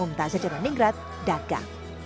umtaz yacarandingrat daga